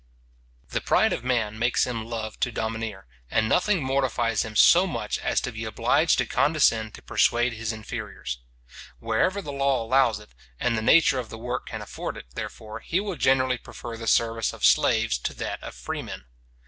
The pride of man makes him love to domineer, and nothing mortifies him so much as to be obliged to condescend to persuade his inferiors. Wherever the law allows it, and the nature of the work can afford it, therefore, he will generally prefer the service of slaves to that of freemen.